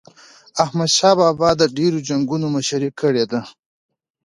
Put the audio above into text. احمد شاه بابا د ډیرو جنګونو مشري کړې ده.